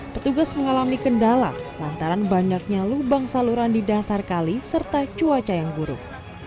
petugas mengalami kendala lantaran banyaknya lubang saluran di dasar kali serta cuaca yang buruk